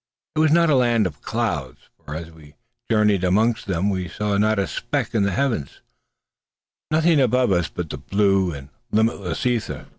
It was not a land of clouds, for as we journeyed amongst them we saw not a speck in the heavens; nothing above us but the blue and limitless ether.